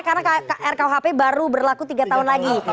karena rkuhp baru berlaku tiga tahun lagi